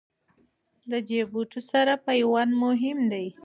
د دې بوټو سره پیوند مهم دی.